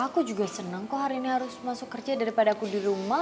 aku juga senang kok hari ini harus masuk kerja daripada aku di rumah